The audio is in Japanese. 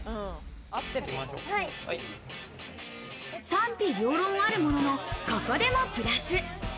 賛否両論あるものの、ここでもプラス。